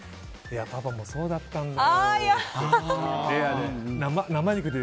パパもそうだったんだよって。